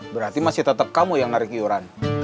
berarti masih tetap kamu yang narik iuran